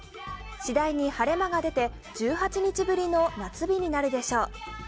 次第に晴れ間が出て１８日ぶりの夏日になるでしょう。